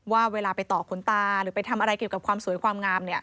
ว่าเวลาไปต่อขนตาหรือไปทำอะไรเกี่ยวกับความสวยความงาม